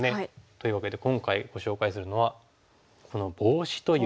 というわけで今回ご紹介するのはこのボウシという。